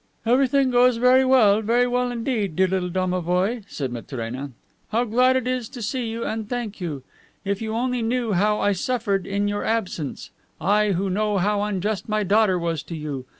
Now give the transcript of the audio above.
"Everything goes very well, very well indeed, dear little domovoi," said Matrena. "How glad it is to see you and thank you. If you only knew how I suffered in your absence, I who know how unjust my daughter was to you.